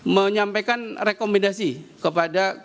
menyampaikan rekomendasi kepada